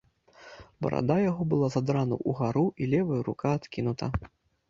Барада яго была задрана ўгару, і левая рука адкінута.